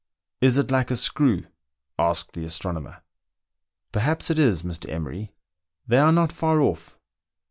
" Is it like a screw?" asked the astronomer. *' Perhaps it is, Mr. Emery ; they are not far off."